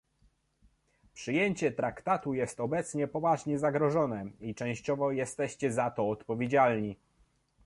Przyjęcie traktatu jest obecnie poważnie zagrożone i częściowo jesteście za to odpowiedzialni